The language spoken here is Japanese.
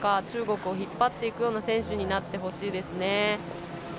中国を引っ張っていくような選手になってほしいですね。